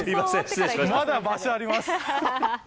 まだ、場所あります。